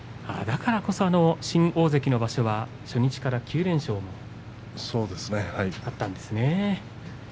だからこそ新大関の場所は初日から９連勝だったんですね。